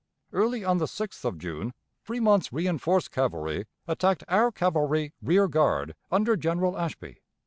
Early on the 6th of June Fremont's reënforced cavalry attacked our cavalry rear guard under General Ashby.